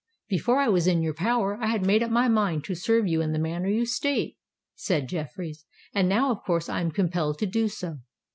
"Before I was in your power I had made up my mind to serve you in the manner you state," said Jeffreys; "and now of course I am compelled to do so.